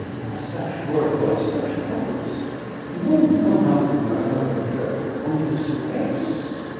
A such word to a such host! No, no, not mur r der; only disgrace!"